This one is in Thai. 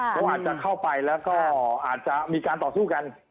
เขาอาจจะเข้าไปแล้วก็อาจจะมีการต่อสู้กัน